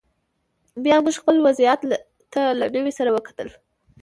بیا موږ خپل وضعیت ته له نوي سره وکتل